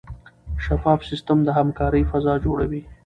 شفاف سیستم د همکارۍ فضا جوړوي.